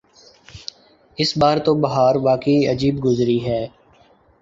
اس بار تو بہار واقعی عجیب گزری ہے۔